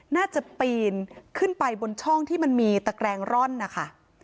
น่าจะปีนขึ้นไปบนช่องที่มันมีตะแกรงร่อนนะคะ